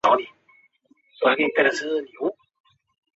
女子赛事的胜者是美国队。